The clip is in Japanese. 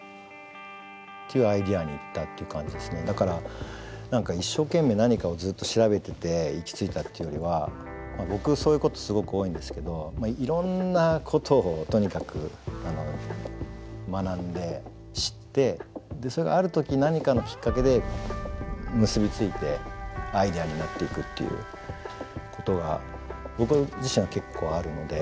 だから一生懸命何かをずっと調べてて行き着いたっていうよりは僕そういうことすごく多いんですけどいろんなことをとにかく学んで知ってそれがある時何かのきっかけで結び付いてアイデアになっていくっていうことが僕自身は結構あるので。